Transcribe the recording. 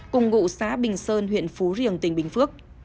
cùng ngụ xã bình sơn huyện phú riềng tỉnh bình phước